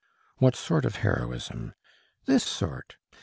"What sort of heroism? This sort.